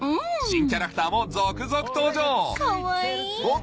新キャラクターも続々登場かわいい！